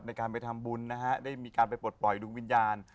ในการไปทำบุญนะฮะได้มีการไปปลดปล่อยดวงวิญญาณ